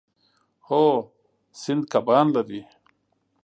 هو، سیند کبان لري